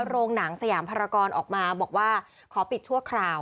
โรงหนังสยามภารกรออกมาบอกว่าขอปิดชั่วคราว